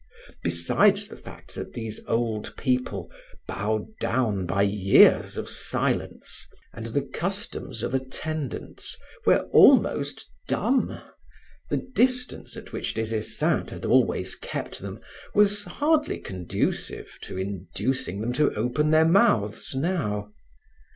Besides the fact that these old people, bowed down by years of silence and the customs of attendants, were almost dumb, the distance at which Des Esseintes had always kept them was hardly conducive to inducing them to open their mouths now.